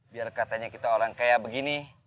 biar katanya kita orang kayak begini